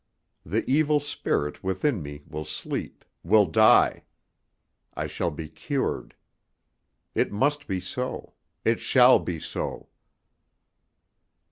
The evil spirit within me will sleep, will die. I shall be cured. It must be so it shall be so.